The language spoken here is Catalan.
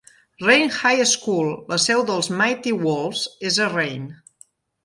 Rayne High School, la seu dels Mighty Wolves, és a Rayne.